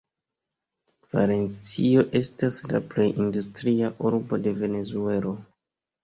Valencio estas la plej industria urbo de Venezuelo.